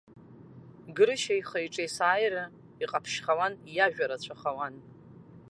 Грышьа ихы-иҿы есааира иҟаԥшьхауан, иажәа рацәахауан.